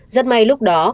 rất may lúc đó